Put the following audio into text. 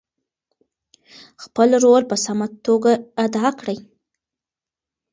خپل رول په سمه توګه ادا کړئ.